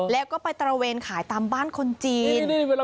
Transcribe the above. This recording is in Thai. แล้วก็ไปตระเวนขายตามบ้านคนจีน